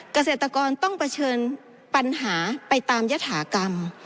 เกษตรกรต้องเผชิญปัญหาไปตามยฐากรรม